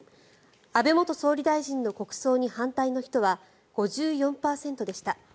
安倍元総理大臣の国葬に反対の人は５４％でした。